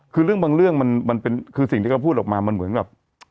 คือเรื่องบางเรื่องมันเป็นคือสิ่งที่เขาพูดออกมามันเหมือนกับ